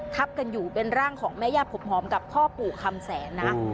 ทับกันอยู่เป็นร่างของแม่ย่าผมหอมกับพ่อปู่คำแสนนะ